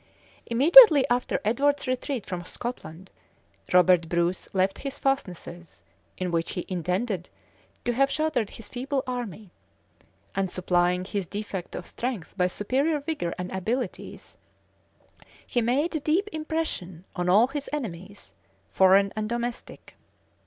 Immediately after Edward's retreat from Scotland, Robert Bruce left his fastnesses, in which he intended to have sheltered his feeble army; and supplying his defect of strength by superior vigor and abilities, he made deep impression on all his enemies, foreign and domestic.